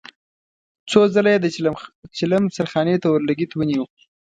څو ځله يې د چيلم سرخانې ته اورلګيت ونيو.